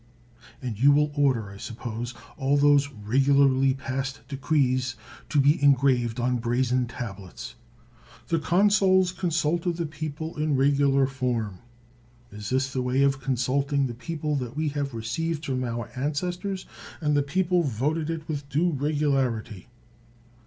And you will order, I sup pose, all those regularly passed decrees to be engraved on brazen tablets. The consuls con sulted the people in regular form" — (is this the way of consulting the people that we have re ceived from our ancestors?) — and the peo ple voted it with due regularity.''